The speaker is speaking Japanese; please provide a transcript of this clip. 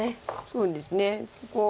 そうですね。